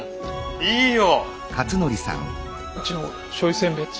いいよ！